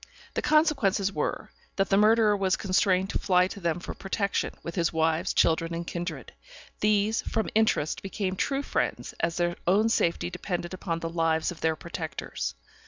The consequences were, that the murderer was constrained to fly to them for protection, with his wives, children, and kindred. These, from interest, became true friends, as their own safety depended upon the lives of their protectors.